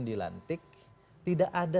dilantik tidak ada